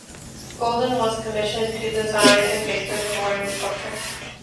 Goulden was commissioned to design and make the memorial sculpture.